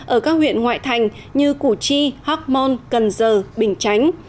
ở các huyện ngoại thành như củ chi hóc môn cần giờ bình chánh